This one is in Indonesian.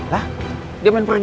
lah dia main pergi